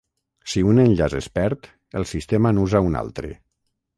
Si un enllaç es perd, el sistema n'usa un altre.